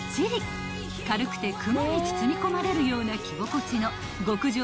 ［軽くて雲に包み込まれるような着心地の極上新触感ダウン］